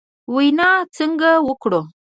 وینا څنګه وکړو ؟